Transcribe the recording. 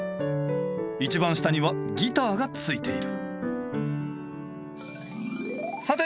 一番下にはギターが付いている。